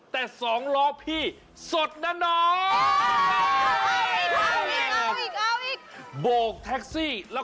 แต่สองล้อพี่สดนอน